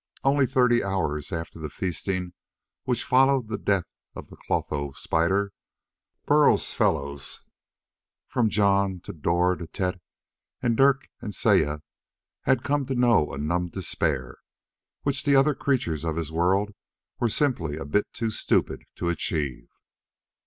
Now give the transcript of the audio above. Only thirty hours after the feasting which followed the death of the clotho spider, Burl's fellows from Jon to Dor to Tet and Dik and Saya had come to know a numb despair which the other creatures of his world were simply a bit too stupid to achieve.